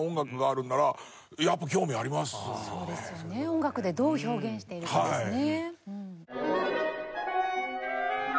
音楽でどう表現しているかですね。